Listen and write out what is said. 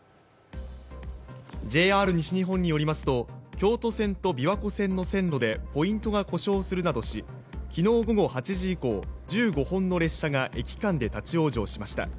ＪＲ西日本によりますと京都線と琵琶湖線の線路でポイントが故障するなどし昨日午後８時以降、１５本の列車が駅間で立往生しました。